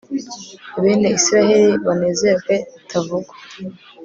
bene israheli banezerwe bitavugwa